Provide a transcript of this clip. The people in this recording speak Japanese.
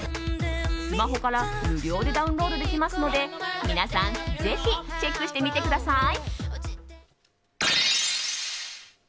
スマホから無料でダウンロードできますので皆さんぜひチェックしてみてください。